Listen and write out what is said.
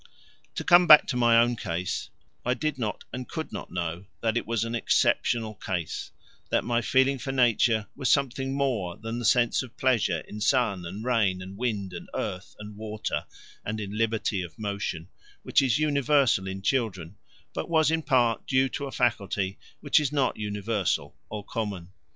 To come back to my own case: I did not and could not know that it was an exceptional case, that my feeling for nature was something more than the sense of pleasure in sun and rain and wind and earth and water and in liberty of motion, which is universal in children, but was in part due to a faculty which is not universal or common.